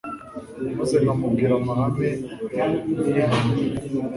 maze nkamubwira amahame nihanura